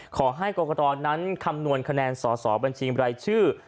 ขอให้กรกตนั้นคำนวณคะแนนสอสอบัญชีบรายชื่อ